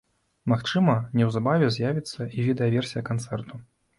Магчыма, неўзабаве з'явіцца й відэаверсія канцэрту.